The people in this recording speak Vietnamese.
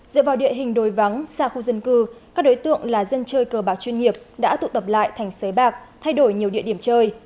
dựa vào địa hình đồi vắng xa khu dân cư các đối tượng là dân chơi cờ bạc chuyên nghiệp đã tụ tập lại thành xới bạc thay đổi nhiều địa điểm chơi